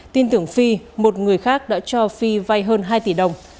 tin tưởng phi một người khác đã cho phi vay hơn hai tỷ đồng